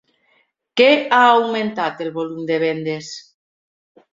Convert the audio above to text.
Què ha augmentat el volum de vendes?